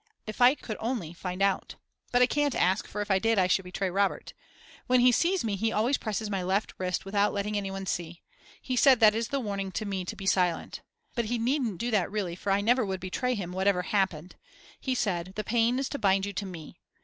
If I could only find out. But I can't ask, for if I did I should betray Robert. When he sees me he always presses my left wrist without letting anyone see. He said that is the warning to me to be silent. But he needn't do that really, for I never would betray him whatever happened. He said: The pain is to bind you to me.